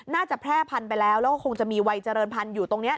แพร่พันธุ์ไปแล้วแล้วก็คงจะมีวัยเจริญพันธุ์อยู่ตรงนี้